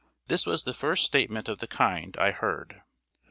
This was the first statement of the kind I heard.